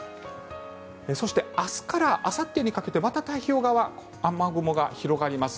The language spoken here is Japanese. そして、明日からあさってにかけてまた太平洋側雨雲が広がります。